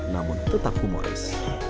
namun tetap humoris